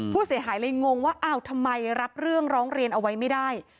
ผู้เสียหายเลยงงว่าอ้าวทำไมรับเรื่องร้องเรียนเอาไว้ไม่ได้